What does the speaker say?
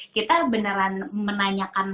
kita beneran menanyakan